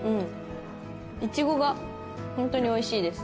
イチゴがホントにおいしいです。